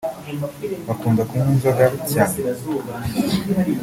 Bakunda kunywa inzoga cyane